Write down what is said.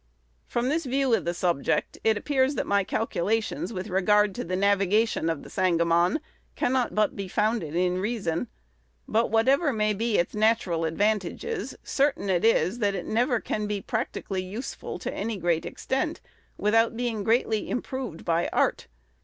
From this view of the subject, it appears that my calculations with regard to the navigation of the Sangamon cannot but be founded in reason; but, whatever may be its natural advantages, certain it is, that it never can be practically useful to any great extent, without being greatly improved by art.